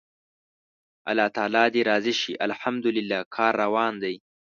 الله تعالی دې راضي شي، الحمدلله کار روان دی.